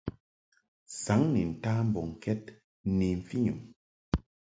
Saŋ ni nta mbɔŋkɛd ni mfɨnyum.